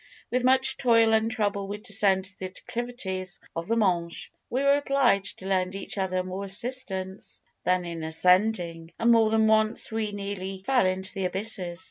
With much toil and trouble we descended the declivities of the Mönch. We were obliged to lend each other more assistance than in ascending, and more than once we nearly fell into the abysses.